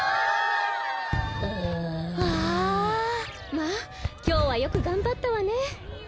まっきょうはよくがんばったわね。わ！